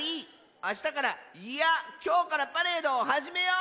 あしたからいやきょうからパレードをはじめよう！